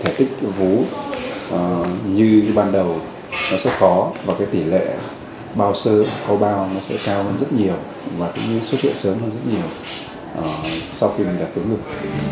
thì cái vú như ban đầu nó sẽ khó và cái tỉ lệ bao sơ câu bao nó sẽ cao hơn rất nhiều và cũng như xuất hiện sớm hơn rất nhiều sau khi mình đặt túi ngực